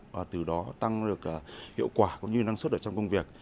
và từ đó tăng được hiệu quả cũng như năng suất ở trong công việc